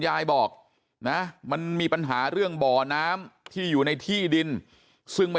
ยายบอกนะมันมีปัญหาเรื่องบ่อน้ำที่อยู่ในที่ดินซึ่งไม่